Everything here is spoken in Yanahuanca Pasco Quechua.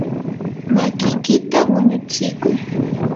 makiykita quñutsikuy.